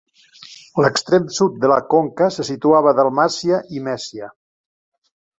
L'extrem sud de la conca se situava Dalmàcia i Mèsia.